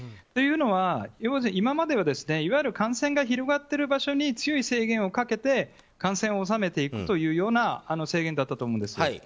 というのは、今まではいわゆる感染が広がっている場所に強い制限をかけて感染を収めていくという制限だったと思うんです。